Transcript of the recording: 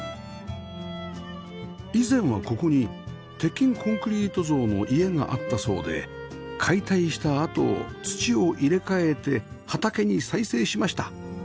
以前はここに鉄筋コンクリート造の家があったそうで解体したあと土を入れ替えて畑に再生しました